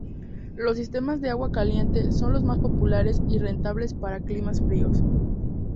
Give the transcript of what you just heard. Los sistemas de agua caliente son los más populares y rentables para climas fríos.